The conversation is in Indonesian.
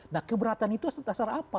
nah keberatan itu dasar apa